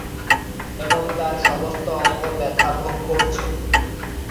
এবং তার সমস্ত অঙ্গ ব্যাথা ভোগ করছে।